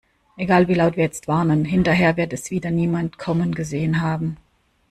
Egal wie laut wir jetzt warnen, hinterher wird es wieder niemand kommen gesehen haben.